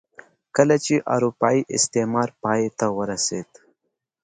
کله چې اروپايي استعمار پای ته ورسېد.